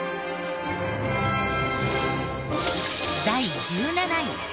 第１７位。